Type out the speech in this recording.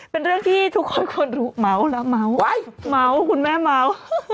เป็นเรื่องที่ทุกคนควรรู้เม้าละเม้าไว้เม้าคุณแม่เม้า